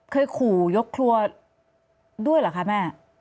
เคยขู่ยกครัวด้วยเหรอคะแม่